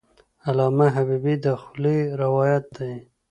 د علامه حبیبي د خولې روایت دی.